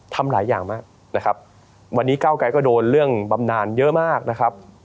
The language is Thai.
ทำหลายอย่างมากนะครับวันนี้เก้าไกรก็โดนเรื่องบำนานเยอะมากนะครับ